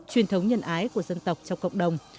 truyền thống nhân ái của dân tộc trong cộng đồng